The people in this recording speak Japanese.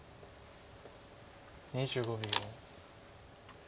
２５秒。